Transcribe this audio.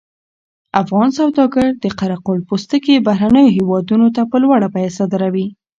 افغان سوداګر د قره قل پوستکي بهرنیو هېوادونو ته په لوړه بیه صادروي.